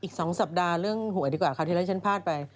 อีก๒สัปดาห์เรื่องหวยดีกว่าคราวที่แล้วฉันพลาดไป